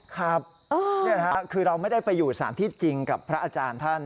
ครับคือเราไม่ได้ไปอยู่สารที่จริงกับพระอาจารย์ท่าน